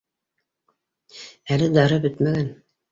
Әле дары бөтмәгән